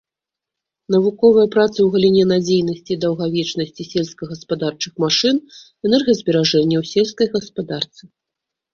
Навуковыя працы ў галіне надзейнасці і даўгавечнасці сельскагаспадарчых машын, энергазберажэння ў сельскай гаспадарцы.